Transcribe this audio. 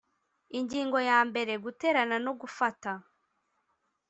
Ingingo ya mbere Guterana no gufata